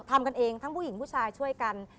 ทำกันเองทั้งผู้หญิงผู้ชายช่วยกัน